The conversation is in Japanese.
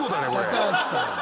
高橋さん。